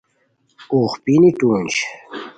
اوغ پینی ٹونج